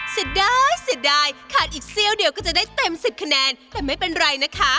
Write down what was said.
เสียดายเสียดายขาดอีกเสี้ยวเดียวก็จะได้เต็ม๑๐คะแนนแต่ไม่เป็นไรนะคะ